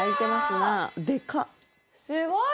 すごい！